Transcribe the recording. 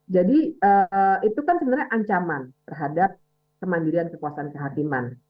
jadi itu kan sebenarnya ancaman terhadap kemandirian kekuasaan kehakiman